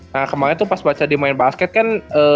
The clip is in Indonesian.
nah kemarin tuh pas baca di main basket kan